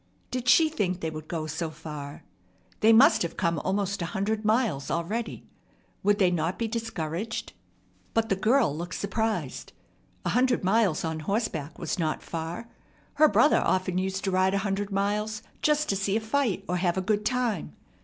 Did she think they would go so far? They must have come almost a hundred miles already. Would they not be discouraged? But the girl looked surprised. A hundred miles on horseback was not far. Her brother often used to ride a hundred miles just to see a fight or have a good time.